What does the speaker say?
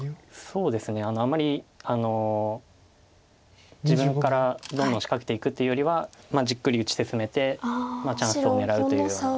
そうですねあんまり自分からどんどん仕掛けていくっていうよりはじっくり打ち進めてチャンスを狙うというような。